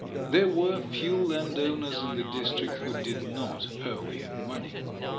There were few landowners in the district who did not owe him money.